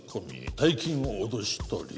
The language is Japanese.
大金を脅し取り